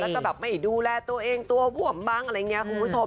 แล้วก็แบบไม่ดูแลตัวเองตัวบวมบ้างอะไรอย่างนี้คุณผู้ชม